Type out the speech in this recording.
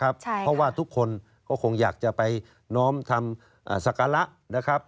เพราะว่าทุกคนก็คงอยากจะไปน้อมทำศักระนะครับ